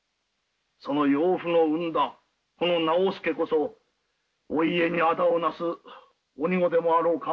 その妖婦の産んだこの直弼こそお家にあだをなす鬼子でもあろうか。